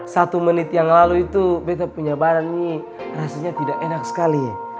satu menit yang lalu itu beta punya badan ini rasanya tidak enak sekali ya